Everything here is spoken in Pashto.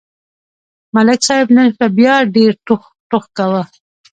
ملک صاحب نن شپه بیا ډېر ټوخ ټوخ کاوه.